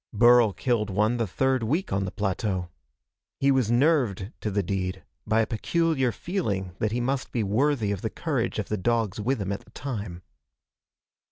Burl killed one the third week on the plateau. He was nerved to the deed by a peculiar feeling that he must be worthy of the courage of the dogs with him at the time.